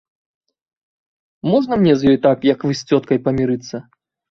Можна мне з ёй так, як вы з цёткай, памірыцца?